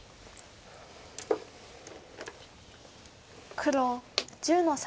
黒１０の三。